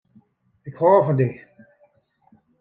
Ik hâld fan dy.